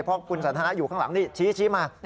เพราะคุณสันทนาอยู่ข้างหลังนี่ชี้มา